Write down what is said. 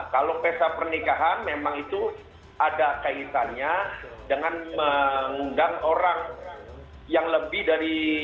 kalau pesta pernikahan memang itu ada kaitannya dengan mengundang orang yang lebih dari